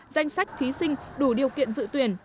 danh sách thí sinh đủ điều kiện dự tuyển